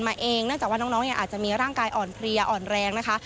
มาเองงานาจากวันน้องหนีอาจจะมีร่างกายอ่อนเพลียอ่อนแรงนะคะ